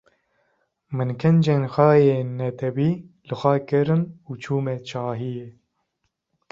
Min kincên xwe yên netewî li xwe kirin û çûm şahiyê.